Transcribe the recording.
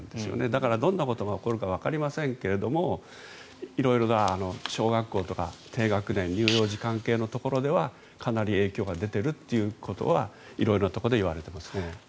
だからどんなことが起こるかわかりませんが色々な小学校とか低学年、乳幼児関係のところではかなり影響が出ているということは色々なところでいわれています。